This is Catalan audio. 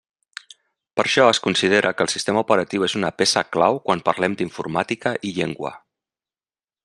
Per això es considera que el sistema operatiu és una peça clau quan parlem d'informàtica i llengua.